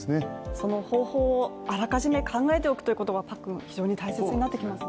その方法をあらかじめ考えておくことが非常に大切になってきますね。